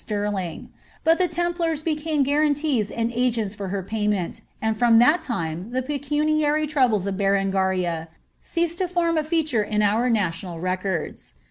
sterling ; but the Templars became guarantees and agents for her payments ; and from that time the pecuniary troubles of Berengaria cease to form a feature in our national records.